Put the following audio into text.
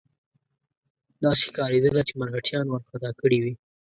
داسې ښکارېدله چې مرهټیان وارخطا کړي وي.